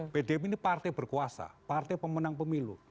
pdip ini partai berkuasa partai pemenang pemilu